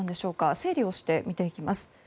整理をして見ていきます。